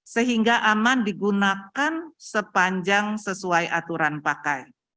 sehingga aman digunakan sepanjang sesuai aturan pakai